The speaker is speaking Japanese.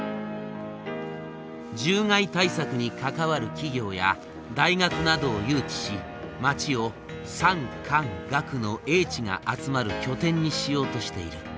獣害対策に関わる企業や大学などを誘致し町を産官学の英知が集まる拠点にしようとしている。